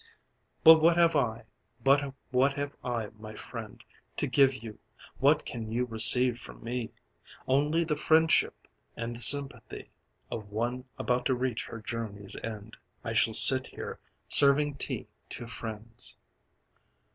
But what have I, but what have I, my friend, To give you, what can you receive from me? Only the friendship and the sympathy Of one about to reach her journey's end. I shall sit here, serving tea to friends...."